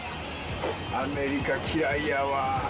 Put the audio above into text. アメリカ嫌いやわ。